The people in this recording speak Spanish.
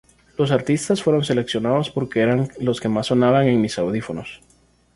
Los artistas fueron seleccionados porque eran los que más sonaban en mis audífonos.